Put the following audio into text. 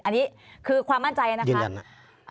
อันนี้คือความมั่นใจนะคะ